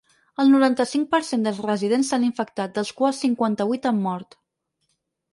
El noranta-cinc per cent dels residents s’han infectat, dels quals cinquanta-vuit han mort.